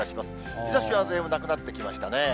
日ざしがなくなってきましたね。